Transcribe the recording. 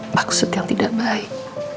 maksud yang tidak baik